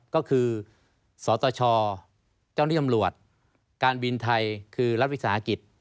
ก็คือสตชเจ้านิยมรวจการบินไทยคือรัฐวิสาหกิจ